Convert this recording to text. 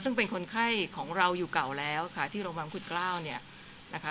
ซึ่งเป็นคนไข้ของเราอยู่เก่าแล้วค่ะที่โรงพยาบาลพุทธเกล้าเนี่ยนะคะ